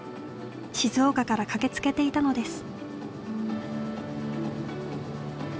静岡から駆けつけていたのです。